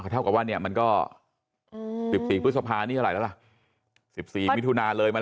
เท่ากับว่าเนี่ยมันก็๑๔พฤษภานี้เท่าไหร่แล้วล่ะ๑๔มิถุนาเลยมา